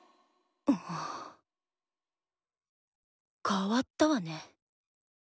変わったわねぇ。